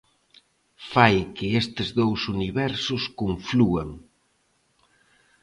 Fai que estes dous universos conflúan.